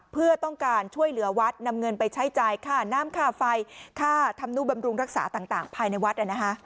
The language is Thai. เพื่อต้องการช่วยเหลือวัดนำเงินไปใช้จ่ายค่าน้ำค่าไฟค่าธรรมนุบำรุงรักษาต่างภายในวัด